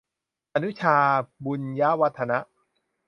อนุชา บุญยวรรธนะ